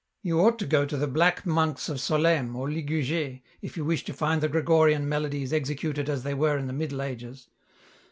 You ought to go to the black monks of Solesmes or Ligugd if you wish to find the Gregorian melodies executed as they were in the Middle Ages.